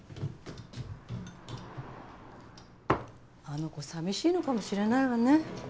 あの子寂しいのかもしれないわね。